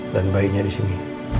dan bayinya di sini